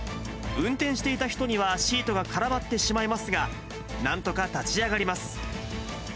運転していた人にはシートが絡まってしまいますが、なんとか立ち上がります。